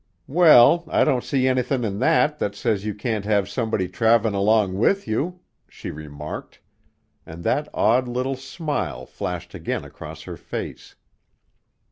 "Well, I don't see anythin' in that that says you can't have somebody travelin' along with you," she remarked, and that odd little smile flashed again across her face.